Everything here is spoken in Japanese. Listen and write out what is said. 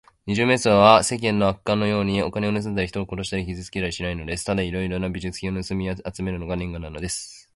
二十面相は、世間の悪漢のように、お金をぬすんだり、人を殺したり、傷つけたりはしないのです。ただいろいろな美術品をぬすみあつめるのが念願なのです。